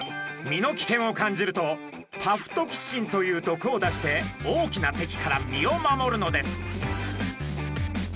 身の危険を感じるとパフトキシンという毒を出して大きな敵から身を守るのです。